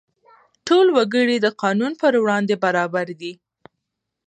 ټول وګړي د قانون پر وړاندې برابر دي.